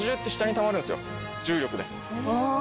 重力で。